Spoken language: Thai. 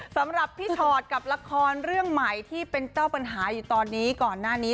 สำหรับพี่ชอตกับละครเรื่องใหม่ที่เป็นเจ้าปัญหาอยู่ตอนนี้ก่อนหน้านี้